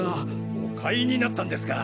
お買いになったんですか。